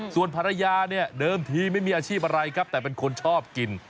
ส่วนภรรยาเนี่ยเดิมทีไม่มีอาชีพอะไรครับแต่เป็นคนชอบกิน